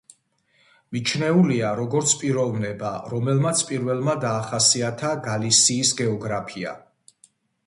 მიჩნეული როგორც პიროვნება რომელმაც პირველმა დაახასიათა გალისიის გეოგრაფია.